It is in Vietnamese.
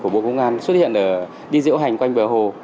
bộ công an xuất hiện đi diễu hành quanh bờ hồ